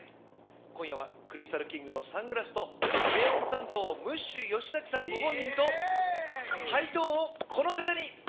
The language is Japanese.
今夜はクリスタルキングのサングラスと低音担当、ムッシュ吉崎さんご本人と、ハイトーンをこの方に。